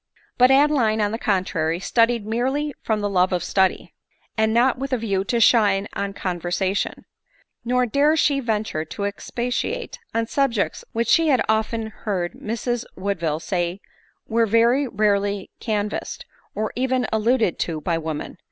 But Adeline, on the contrary, studied merely from the love of study, and not with a view to shine in conversa tion; nor dared she venture to expatiate on subjects which she had often heard Mrs Woodville say were very rarely canvassed, or even alluded to by women.